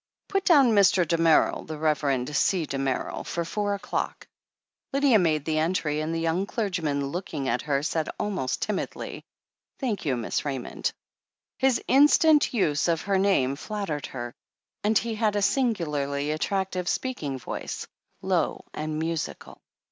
"Put down Mr. Damerel — the Reverend C Damerd ■— for four o'clock." THE HEEL OF ACHILLES 259 Lydia made the entry, and the young clergyman, looking at her, said, almost timidly : "Thank you, Miss Raymond/* His instant use of her name flattered her, and he had a singularly attractive speaking voice, low and musical.